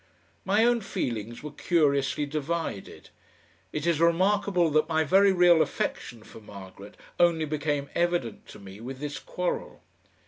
My own feelings were curiously divided. It is remarkable that my very real affection for Margaret only became evident to me with this quarrel.